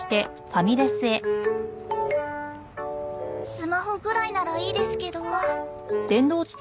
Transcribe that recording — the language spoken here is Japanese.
スマホぐらいならいいですけど。